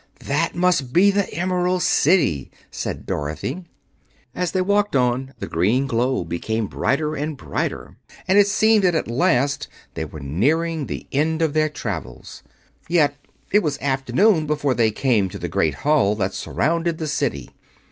"That must be the Emerald City," said Dorothy. As they walked on, the green glow became brighter and brighter, and it seemed that at last they were nearing the end of their travels. Yet it was afternoon before they came to the great wall that surrounded the City.